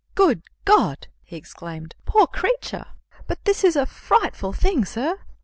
"Good God!" he exclaimed; "poor creature! But this is a frightful thing, sir!"